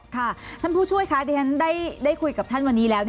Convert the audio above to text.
ค่ะท่านผู้ช่วยคะที่ฉันได้คุยกับท่านวันนี้แล้ว